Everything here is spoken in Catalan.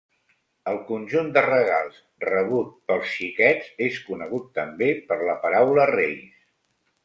El conjunt de regals rebut pels xiquets és conegut també per la paraula ‘reis’.